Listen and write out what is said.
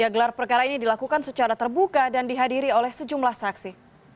gelar perkara ini dilakukan secara terbuka dan dihadiri oleh sejumlah saksi